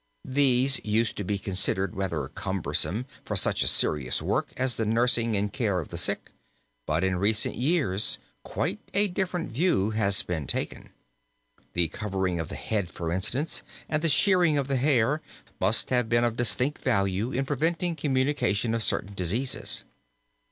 These used to be considered rather cumbersome for such a serious work as the nursing and care of the sick, but in recent years quite a different view has been taken. The covering of the head, for instance, and the shearing of the hair must have been of distinct value in preventing communication of certain diseases.